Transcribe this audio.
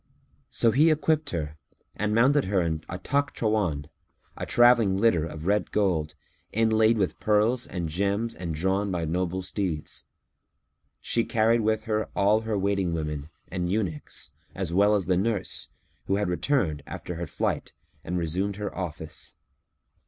So he equipped her and mounted her in a Takhtrawán, a travelling litter of red gold, inlaid with pearls and gems and drawn by noble steeds. She carried with her all her waiting women and eunuchs, as well as the nurse, who had returned, after her flight, and resumed her office.